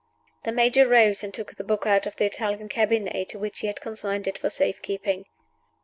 The Major rose and took the book out of the Italian cabinet, to which he had consigned it for safe keeping.